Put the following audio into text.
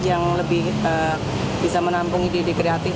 yang lebih bisa menampung ide ide kreatif